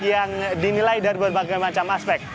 yang dinilai dari berbagai macam aspek